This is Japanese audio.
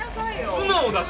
素直だし！